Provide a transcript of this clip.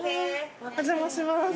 お邪魔します。